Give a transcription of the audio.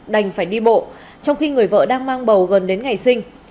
đành phải đi bộ trong khi người vợ đang mang bầu gần đến ngày sinh